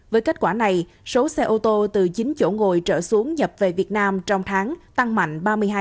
với kết quả này số xe ô tô từ chín chỗ ngồi trở xuống nhập về việt nam trong tháng tăng mạnh ba mươi hai